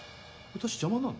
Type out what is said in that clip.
私邪魔なの？